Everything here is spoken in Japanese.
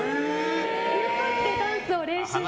居残ってダンスを練習してて。